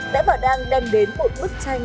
đã bảo đang đem đến một bức tranh